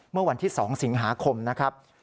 เมื่อวันที่๒สิงหาคมนะครับ